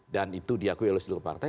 dan itu diakui oleh seluruh partai